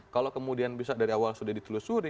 kalau kemudian bisa dari awal sudah ditelusuri